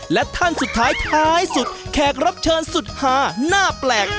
และท่านสุดท้ายท้ายสุดแขกรับเชิญสุดหาหน้าแปลก